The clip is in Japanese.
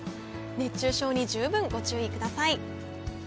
熱中症にじゅうぶんご注意ください。